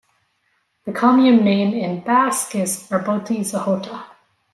The commune name in basque is "Arboti-Zohota".